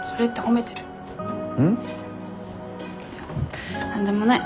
いや何でもない。